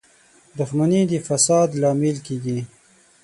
• دښمني د فساد لامل کېږي.